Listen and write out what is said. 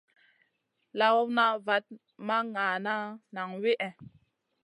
Lawna vat ma nʼgaana nang wihè.